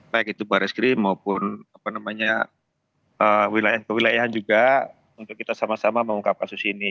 baik itu barskrim maupun kewilayahan juga untuk kita sama sama mengungkap asus ini